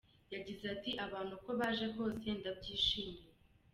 Yagize ati :”Abantu uko baje kose nabyishimiye.